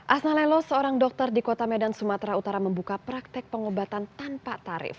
asnalelo seorang dokter di kota medan sumatera utara membuka praktek pengobatan tanpa tarif